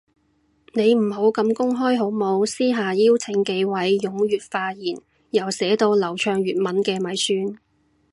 你唔好咁公開好冇，私下邀請幾位踴躍發言又寫到流暢粵文嘅咪算